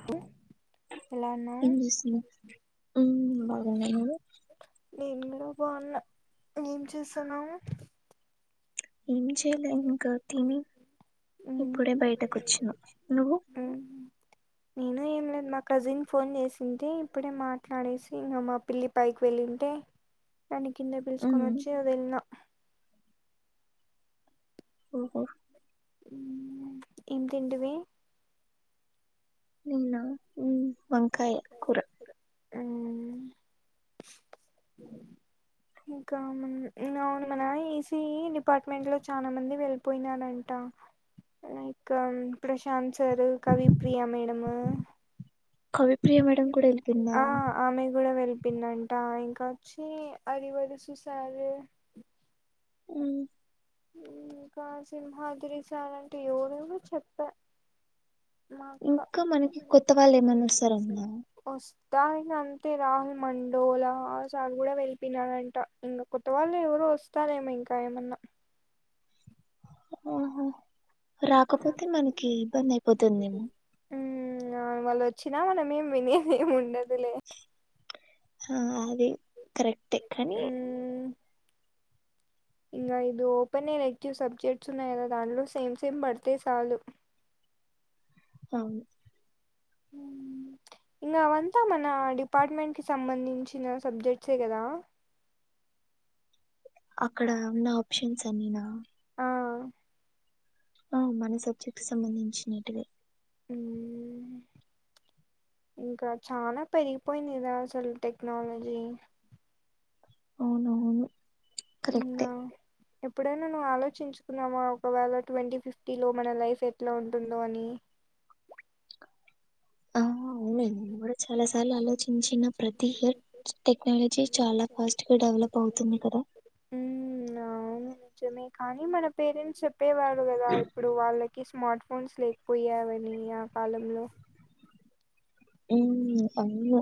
[inaudible] ఏం చేస్తున్నావు మ్మ్ బాగున్నా నువ్వు నేను కూడా బాగున్నా ఏం చేస్తున్నాము ఏం చేయలే ఇంకా తిని ఇప్పుడే బయటకు వచ్చిన నువ్వు మ్ నేను ఏం లేదు మా కజిన్ ఫోన్ చేసింటె ఇప్పుడే మాట్లాడేసి ఇంకా మా పిల్లి పైకి వెళ్ళింటే కానీ కింద పిలుచుకొని వచ్చి వెళ్ళినా ఓహో మ్మ్ ఇంకేటిది నిన్న మ్మ్ మ్మ్ ఇంకా ఆమెను ఈనడమనా మన ఈసీఈ డిపార్ట్మెంట్ లో చాలా మంది వెళ్ పోయిన నంతా లైక్ ప్రశాంత్ సారు కవి ప్రియా మేడము ఆ ఆమె కూడా వెళ్ళ పిన్నంట ఇంకా వచ్చి అరివరు చుసారు మ్ ఇంకా సింహాద్రి సార్ అంటే ఎవరు చెప్పా ఇంకా మనకి కొత్త వాళ్ళు ఏమన్నా వస్తారు అంటన వస్తా ఇక అంతే రాహుల్ మండోలా సార్ కూడా వెళ్ళిపినారంట ఇంకా కొత్త వాళ్ళు ఎవరు వస్తారేమో ఇంకా ఏమన్నా ఆహా రాకపోతే మనకి ఇబ్బంది అయిపోతుందేమో మ్మ్ వాళ్ళ వచ్చినా మన ఏం వినేది ఏమి ఉండదులే ఆ అదే కరెక్టే కానీ ఇంకా ఇది ఓపెన్ ఎక్కువ సబ్జెక్ట్స్ ఉన్నాయి గదా దాంట్లో సేమ్ సేమ్ పడితే చాలు అవును మ్మ్ ఇంకా అవంతా మన డిపార్ట్మెంట్ కి సంబంధించిన సబ్జెక్ట్సే కదా అక్కడ ఉన్నా ఆప్షన్స్ అన్నినా ఆ ఆ మన సబ్జెక్ట్ క సంబంధించినేటివే ఉమ్ ఇంకా చాలా పెరిగిపోయిందిదా అసలు టెక్నాలజీ అవునవును ఇంగా ఎప్పుడైనా నువ్వు ఆలోచించుకున్నావా ఒకవేళ ట్వంటీ ఫిఫ్టీలో మన లైఫ్ ఎట్లా ఉంటుందో అని ఆ అవునండి నేన్ గుడ చాలా సార్లు ఆలోచించిన ప్రతి హియర్ టెక్నాలజీ చాలా ఫాస్ట్ గా డెవలప్ అవుతుంది కదా ఊ అవును నిజమే కానీ మన పేరెంట్స్ చెప్పేవారు గదా ఇప్పుడు వాళ్ళకీస్ మార్ట్ ఫోన్స్ లేకపోయావని ఆ కాలంలో ఊ అవును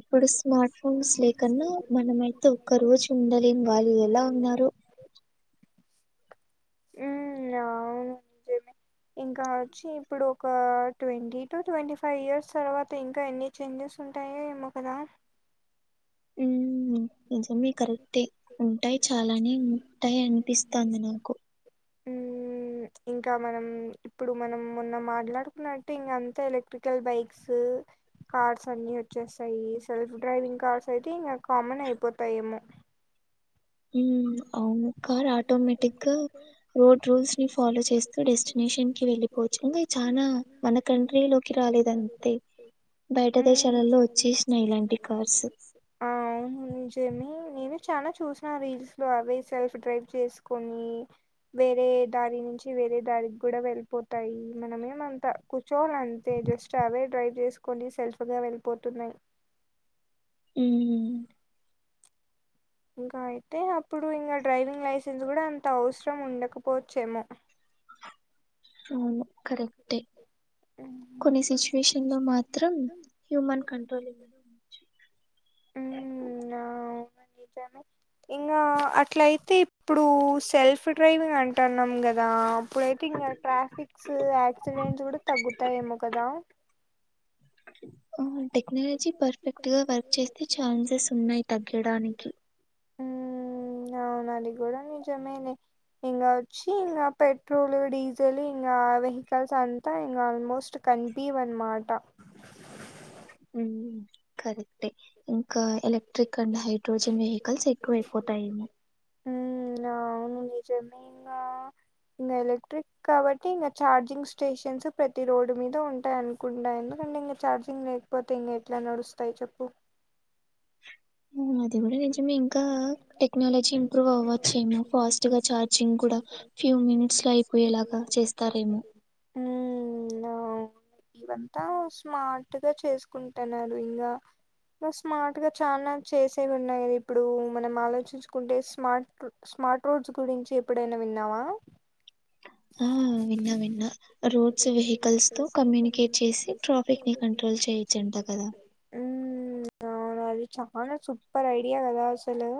ఇప్పుడు స్మార్ట్ ఫోన్స్ లేకన్నా మనమయితే ఒక్క రోజు ఉండలేము వాళ్ళెలా ఉన్నారు మ్ నవును నిజమే ఇంకా వొచ్చి ఇప్పుడు ఒకా twenty two twenty five years తర్వా త ఇంకా ఎన్ని చేంజెస్ ఉంటాయో ఏమో కదా ఊ నిజమే కరెక్టే ఉంటాయ్ చాలానే ఉంటాయ్ అన్పిస్తాంది నాకు ఊ ఊ ఇంకా మనం ఇప్పుడు మనం మొన్న మాట్లాడుకున్నట్టు ఇంగంతా ఎలక్ట్రికల్ బైక్సూ కార్స్ అన్ని వచ్చేస్తాయి సెల్ఫ్ డ్రైవింగ్ కార్స్ అయితే ఇంగ కామన్ అయిపోతాయేమో ఊ అవును కార్ ఆటోమేటిక్ గ్గా రోడ్ రూల్స్ ని ఫాలో చేస్తూ డెస్టినేషన్ కి వెళ్ళి పోచ్చు ఇంగా ఇవి చానా మన కంట్రీ లోకి రాలేదంతే బైట దేశాలల్లో వచ్చేస్నాయ్ ఇలాంటి కార్సు ఆ అవును నిజమే నేను చానా చూస్న రీల్స్ లో అవే సెల్ఫ్ డ్రైవ్ చేస్కొని వేరే దారి నించి వేరే దారిగ్గుడ వెళ్పోతాయి మనమేమంత కూచ్చోలంతే జస్ట్ అవే డ్రైవ్ జెస్కొని సెల్ఫ్ గా వెళ్ళిపోతున్నాయ్ ఊ ఇంకా అయితే అప్పుడు ఇంగ డ్రైవింగ్ లైసెన్స్ గుడ అంత అవుస్రం ఉండకపోవచ్చేమో అవును కరెక్టే కొన్ని సిచ్యువేషన్ లో మాత్రం హ్యూమన్ కంట్రోలే ఊమ్ రా అవ్ నా నిజమే ఇంగా అట్లైతే ఇప్ ఇప్పుడూ సెల్ఫ్ డ్రైవింగ్ అంటాన్నాం గదా అప్పుడైతే ఇంగ ట్రాఫిక్ క్కు యాక్సిడెంట్స్ గూడ తగ్గుతాయేమో కదా ఆ టెక్నాలజీ పర్ఫెక్ట్ గా వర్క్ చేస్తే ఛాన్సెస్ ఉన్నాయ్ తగ్గడానికి ఊ అవును అది గూడ నిజమేలె ఇంగ వొచ్చి ఇంగ పెట్రోలువి డీజల్ ఇంగా వెహికల్స్ అన్ తా ఇంగ ఆల్మోస్ట్ కన్పీవన్మాట ఊమ్ కరెక్టే ఇంకా ఎలక్ట్రిక్ అండ్ హైడ్రోజన్ వెహికల్స్ ఎక్కువ అయిపోతాయేమొ ఊ లవును నిజమే ఇంగా ఇంగ ఎలక్ట్రిక్ కాబట్టి ఇంగ ఛార్జింగ్ స్టేషన్స్ ప్రతి రోడ్డు మీద ఉంటాయ్ అనుకుంటా ఎందుకంటే ఇంగ చఛార్జింగ్ లే పోతే ఇంగ ఎట్ల నడుస్తాయ్ చొప్పు [inaudible] అది గుడ నిజమే ఇంకా టెక్నాలజీ ఇంప్రూవ్ అవ్వొచ్చేమో ఫాస్ట్ గా చార్జింగ్ కూడ ఫ్యూ మినిట్స్ లో అయిపోయేలాగా చేస్తారేమో ఊ అవ్ ను ఇవంతా స్మార్ట్ గా చేస్కుంటన్నారు ఇంగా గా స్మాట్ గా చానా చేసే ఉన్నాయ్ గదా ఇప్పుడు మనం ఆలోచించుకుంటే స్మా స్మార్ట్ వాచ్ గురించి ఎప్పుడైనా విన్నావా రేట్స్ వెహికల్స్ [unintelligible] కమ్యూనికేట్ చేసి [unintelligible] చే [unintelligible] ఉమ్ అవును అది చాలా సూప్పర్ ఐడియా గదా అసలు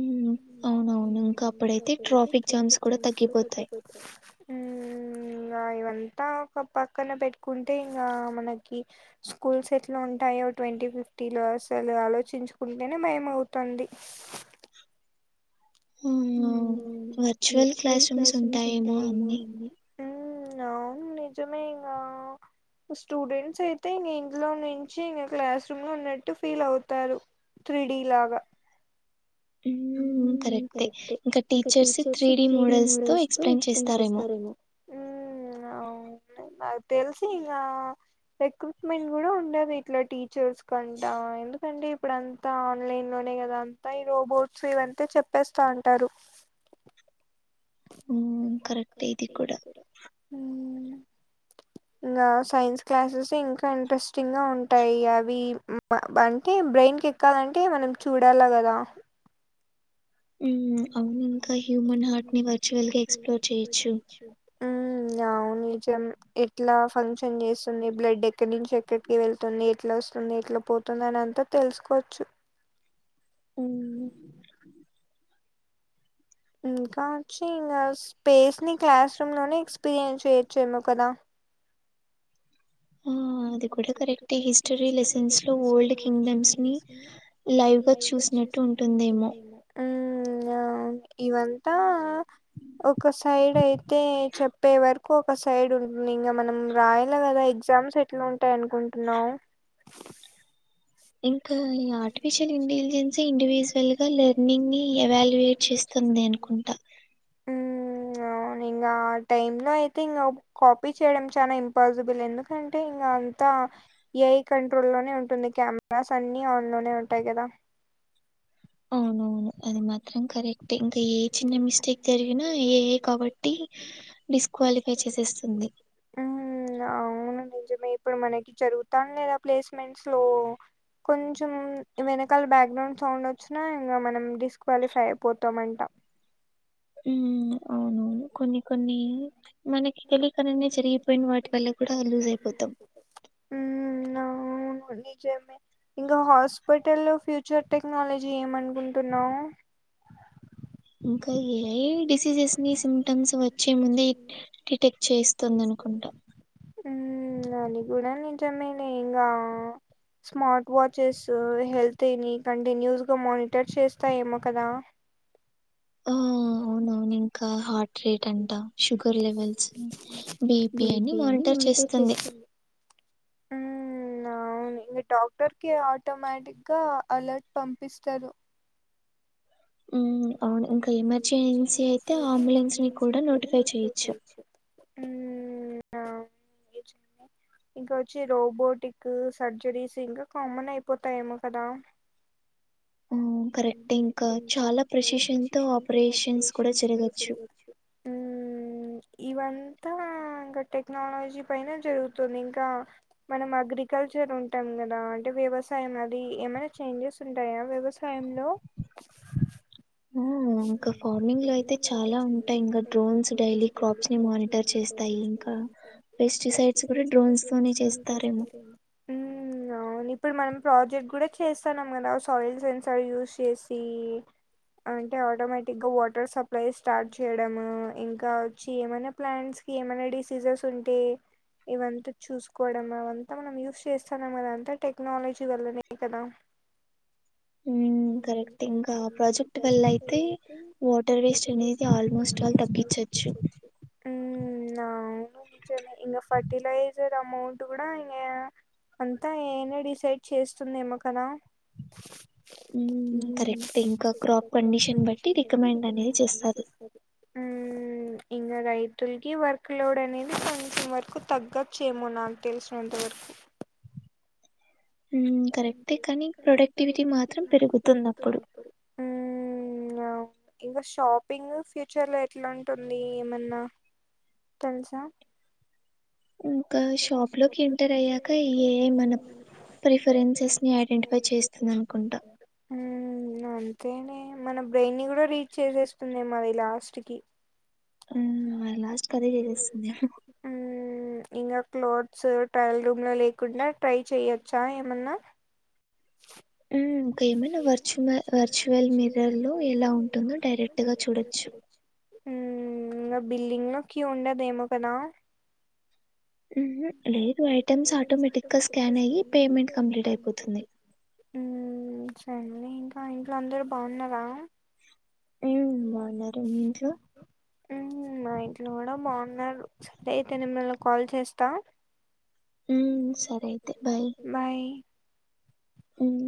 ఉమ్ అవునవును ఇంకా అప్పుడైతే ట్రాఫిక్ జామ్స్ కూడా తగ్గిపోతాయి. ఉమ్మ్ ఇంగా ఇవ్వంత ఒక పక్కన పెట్టుకుంటే ఇంగా మనకి స్కూల్స్ ఎట్లా ఉంటాయో ట్వంటీ ఫిఫ్టీ లో అసలు ఆలో చించుకుంటేనే భయమవుతాంది. ఉమ్మ్ వర్చువల్ క్లాస్ రూమ్స్ ఉంటాయేమో అన్ని ఉమ్మ్ అవును నిజమే ఇంగా స్టూడెంట్స్ అయితే ఇంగా ఇంట్లో నుంచి ఇంగా క్లాస్ రూమ్ లో ఉన్నట్టు ఫీల్ అవుతారు. త్రీడి లాగా ఉమ్మ్ కరెక్టే ఇంకా టీచర్స్ త్రీడీ మోడల్స్ తో ఎక్స్ప్లెయిన్ చేస్తారేమో. ఉమ్మ్ అవును నాక్ తెలిసి ఇంగా ఎక్యూప్మెంట్ గుడా ఉండది ఇట్లా టీచర్స్ కంటా ఎందుకంటే ఇప్పుడన్ తా ఆన్లైన్ లోనే గదా అంతా ఈ రోబోట్స్ ఇవ్వంతే చెప్పేస్తా ఉంటారు. ఉమ్మ్ కరెక్ట్ ఇది కూడా హుమ్మ్ ఇంగా సైన్స్ క్లాసెస్ ఇంకా ఇంట్రెస్టింగ్ గా ఉంటాయి, అవి మా బన్ అంటే బ్రెయిన్ కే క్కలంటే మనం చూడాలా గదా ఉమ్ అవును ఇంకా హ్యూమన్ హార్ట్ ని వర్చువల్ గా ఎక్స్ప్లోర్ చేయొచ్చు. ఉమ్మ్ అవు నిజం ఎట్లా ఫంక్షన్ జేస్తుంది, బ్లడ్ ఎక్కడి నుంచి ఎక్కడికి వెళ్తుంది, ఎట్ల వస్తుంది, ఎట్ల పోత్ ఉంటుందని అంతా తెల్సుకోవచ్చు. ఉమ్మ్ ఇంకా ఒచ్చి ఇంగా స్పేస్ ని క్లాస్ రూమ్ లోనే ఎక్స్పీరియన్స్ చేయొచ్చేమో గదా. ఉ అది కూడా కరెక్ట్, హిస్టరీ లెసన్స్ లో ఓల్డ్ కింగ్డమ్స్ ని లైవ్ గా చూసినట్ ఉమ్మ్ ఆ ఇవ్వంతా ఒక సైడ్ అయితే చెప్పే వరకు ఒక సైడ్ ఉంటుంది, ఇంగా మనం రాయాల గదా ఎగ్ గ్జామ్స్ ఎట్లా ఉంటాయి అనుకుంటున్నావ్ ఇంకా ఈ ఆట్ ఫిషియల్ ఇంటెలిజన్సీ ఇండివిజువల్ గా లెర్నింగ్ ని ఎవాల్యుయేట్ చేస్తుంది అనుకుంటా. ఉమ్మ్ అవును ఇంగా ఆ టైమ్ లో అయితే ఇంగా ఓబ్ కాపీ చేయడం చానా ఇంపాసిబుల్, ఎందుకంటే ఇంగా అంతా ఏ ఐ కంట్రోల్ లోనే ఉంటుంది, కెమెరాస్ అన్ని ఆన్ లోనే ఉంటాయి గదా. అవునవును అది మాత్రం కరె క్టే ఇంకా ఏ చిన్న మిస్టేక్ జరిగినా ఏ ఐ కాబట్టి డిస్క్యాలిఫై చేసేస్తుంది. ఉమ్ అవును నిజమే ఇప్పుడు మనకి జరుగుతాంది గదా ప్లేస్మెంట్స్ లో కొంచెం వెనకాల బ్యాక్గ్రౌండ్ సౌండ్ ఒచ్చినా ఇంగా మనం డిస్క్వాలిఫై అయిపోతామంట. ఉమ్ అవునవును కొన్ని కొన్ని మనకి తెలియకనేనే జరిగిపోయిన వాటి వల్ల కూడా లూజ్ అయిపోతాం. ఉమ్మ్ అవును నిజమే ఇంకా హాస్పిటల్ లో ఫ్యూచర్ టెక్నాలజీ ఏమనుకుంటున్నావ్ గ ఇంకా ఏఐ డిసీజెస్ ని సిమ్టమ్స్ వచ్చే ముందే టికెట్ చేస్తుంది ఉమ్ అది కూడా నిజమే లే ఇంగా స్మార్ట్ వాచెస్ హెల్త్ని కంటిన్యూస్ గా మానిటర్ చేస్తా ఏమో కదా హు అవునవును ఇంకా హార్ట్ రేట్ అంటా షుగర్ లెవెల్స్ బిపి అన్ని మానిటర్ చేస్తుంది హు అవును డాక్టర్ కి ఆటోమేటిక్ గా అలర్ట్ పంపిస్తారు ఉమ్ అవును ఇంకా ఎమర్జెన్సీ అయితే అంబులెన్స్ ని కూడా నోటిఫై చెయొచ్చు హు ఆ ఇంకా వచ్చి రోబోటిక్ సర్జరీస్ ఇంకా కామన్ అయిపోతాయేమో కదా ఆ కరెక్ట్ ఇంకా చాలా ప్రశషన్ త ఆపరేషన్స్ కూడా జరగచ్చు ఉమ్ ఇవంతా ఇంకా టెక్నాలజీ పైన జరుగుతుంది ఇంకా మనం అగ్రికల్చర్ ఉంటాం కదా అంటే వ్యవసాయం అది ఏమైనా చేంజెస్ ఉంటాయా వ్యవస్ టైమ్ంలో ఇకా ఫ అయితే చాలా ఉంటాయి ఇంకా బోన్స్ డైలీ ప్రచ ఆటర్ చేస్త ఆ పెస్టిసైడ్స్ కూడా డ్రోన్స్ తోనే చేస్తారేమో మ్ అవును ఇప్పుడు మనం ప్రాజెక్ట్ కూడా చేస్తానం కదా సాయిల్ సెన్ సారి యూస్ చేసి అంటే ఆటోమేటిక్ గా వాటర్ సప్లై స్టార్ట్ చేయడంము ఇంకా వచ్చి ఏమనా ప్లాంట్స్ ఏమైనా డిసీజెస్ ఉంటే ఇవంతా చూసుకోవడం అవంతా మనం యూస్ చేస్తాన్నాం కదా అంతా టెక్నాలజీ వల్లనే కదా హ్మ్మ్ కరెక్ట్ ఇంకా ప్రాజెక్ట్ వల్ల అయితే వాటర్ వేస్ట్ అనేది ఆల్మోస్ట్ ఆల్ తగ్గించచ్చు ఉమ్ అవును నిజమే ఇంకా ఫర్టిలైజర్ అమౌంట్ కూడా ఇంకా అంతా ఏఐ నే డిసైడ్ చేస్తుంది ఏమకనా ఉమ్ కరెక్ట్ ఇంకా క్రాప్ కండిషన్ బట్టి రికమెండ్ అనేది చేస్తాది ఉమ్ ఇంకా రైతులకి వర్క్ లోడ్ అనేది కొంచం వరకు తగ్గొచ్చ ఏమో నాకు తెలిసినంత వరకు ఉమ్ కరెక్టే కానీ ప్రొడక్టివిటీ మాత్రం పెరుగుతుంది అప్పుడు ఉమ్ ఇంకా షాపింగ్ ఫ్యూచర్లో ఎట్లా ఉంటుంది ఏమన్నా తెలుసా ఇంకా షాప్ లోకి ఎంటర్ అయ్యాక ఏఐ మన ప్రిఫరెన్సెస్ ఐడెంటిఫై చేస్త అనుకుంటా మ్ అంతేనే మన బ్రెయిన్ ని కూడా రీడ్ చేసేస్తుందేమె అది లాస్ట్ కి ఉమ్ లాస్ట్ అదే చేసేస్తుంది ఎమె ఇంకా క్లోత్స్ ట్రయల్ రూమ్ లో లేకుండా ట్రై చేయొచ్చా ఏమన్నా డమ్ ఇక ఏమైనా వర్చువల్ వర్చువల్ మిరర్ లో ఎలా ఉంటుందో డైరెక్ట్ గా చూడొచ్చు ఉ ఇంకా బిల్డింగ్ లో క్వ్ ఉండదేమో కదా మ్హ్ లేదు ఐటెమ్స్ ఆటోమేటిక్ గా స్కాన్ అయ్యి పేమెంట్ కంప్లీట్ అయిపోతుంది హ్మ్ సర్లే ఇంకా ఇంట్లో అందరు బాగున్నారా మ్ మా ఇంట్లో కూడా బాగున్నారు సరే అయితే నిని మల్ల కాల్ చేస్తా మ్ సరే అయితే బాయ్ బాయ్ హ్మ్